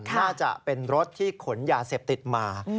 น่าจะเป็นรถที่ขนยาเสพติดมา